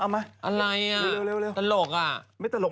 อะไรอ่ะตลกอ่ะ